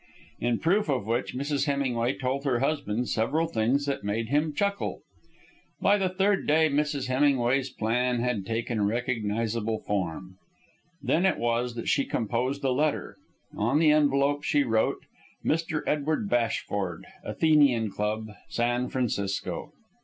In proof of which, Mrs. Hemingway told her husband several things that made him chuckle. By the third day Mrs. Hemingway's plan had taken recognizable form. Then it was that she composed a letter. On the envelope she wrote: "Mr. Edward Bashford, Athenian Club, San Francisco."